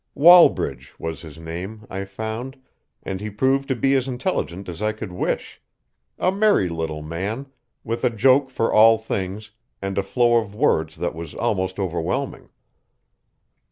Wallbridge was his name, I found, and he proved to be as intelligent as I could wish a merry little man, with a joke for all things, and a flow of words that was almost overwhelming.